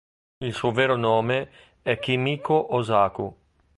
Il suo vero nome è Kimiko Osaku.